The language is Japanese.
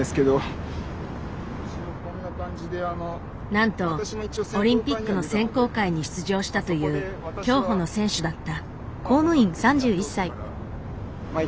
なんとオリンピックの選考会に出場したという競歩の選手だった。